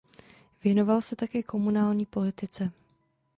Věnoval se také komunální politice.